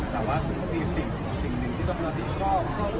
แต่ว่าสิ่งหนึ่งที่ต้องประสิทธิ์ชอบ